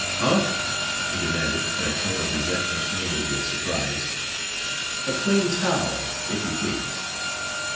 "Huh?" he demanded, in a tone of resentment mingled with surprise. "A clean towel, if you please."